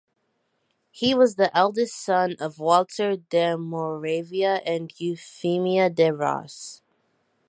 He was the eldest son of Walter de Moravia and Euphemia de Ross.